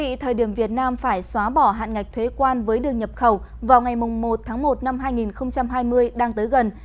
thưa quý vị việt nam phải xóa bỏ hạn ngạch thuế quan với đường nhập khẩu vào ngày một tháng một năm hai nghìn hai mươi đang tới gần